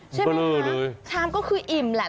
ใช่ไหมคะชามก็คืออิ่มแหละ